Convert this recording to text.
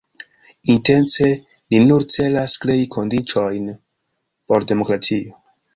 Intence ni nur celas krei kondiĉojn por demokratio.